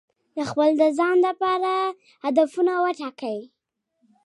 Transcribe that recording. د خپل ځان لپاره هدفونه وټاکئ.